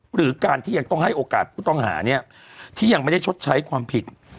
หรือการที่ยังต้องให้โอกาสผู้ต้องหาเนี่ยที่ยังไม่ได้ชดใช้ความผิด